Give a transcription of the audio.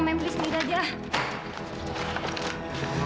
ma beli sendiri aja